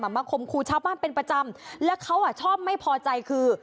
มาคมครูชาวบ้านเป็นประจำแล้วเขาอ่ะชอบไม่พอใจคือ